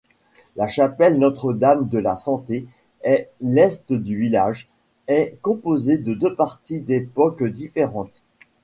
La chapelle Notre-Dame-de-la-Santé, à l’est du village, est composée de deux parties d’époques différentes.